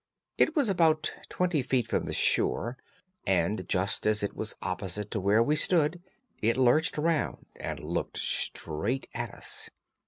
It was about twenty feet from the shore, and just as it was opposite to where we stood it lurched round and looked straight at us.